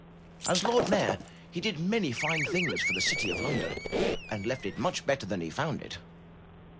As Lord Mayor, he did many fine things for the city of London and left it much better than he found it.